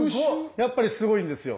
やっぱりすごいんですよ。